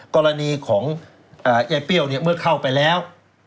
กรณีของยายเปรี้ยวเนี่ยเมื่อเข้าไปแล้ว